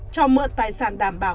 cho mượn tài sản đảm bảo